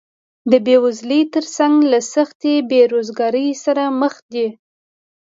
د بېوزلۍ تر څنګ له سختې بېروزګارۍ سره مخ دي